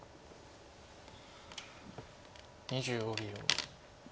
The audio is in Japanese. ２５秒。